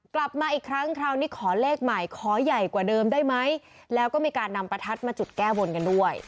กลับมาอีกครั้งคราวนี้ขอเลขใหม่ขอใหญ่กว่าเดิมได้ไหมแล้วก็มีการนำประทัดมาจุดแก้บนกันด้วย